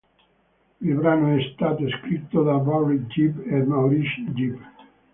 Il brano è stato scritto da Barry Gibb e Maurice Gibb.